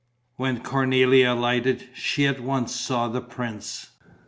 When Cornélie alighted, she at once saw the prince.